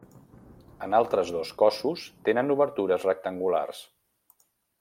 Els altres dos cossos tenen obertures rectangulars.